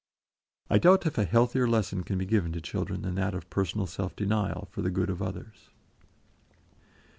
I doubt if a healthier lesson can be given to children than that of personal self denial for the good of others.